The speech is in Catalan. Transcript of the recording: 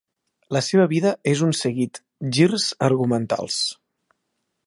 La seva vida és un seguit girs argumentals.